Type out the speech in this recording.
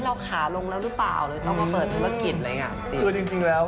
เราขาลงแล้วหรือเปล่าหรือต้องมาเปิดธุรกิจอะไรอย่างเงี้จริงคือจริงจริงแล้ว